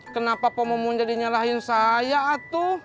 kenapa pomo pomo jadi nyalahin saya atu